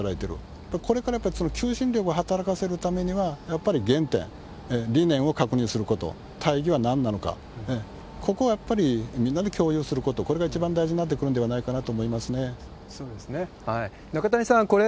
やっぱりこれからその求心力を働かせるためには、やっぱり原点、理念を確認すること、大義はなんなのか、ここをやっぱりみんなで共有すること、これが一番大事になってくるのではないかと思いますね。